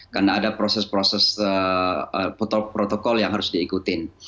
karena ada proses proses protokol yang harus diikutin